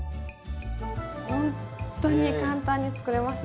ほんっとに簡単に作れましたね。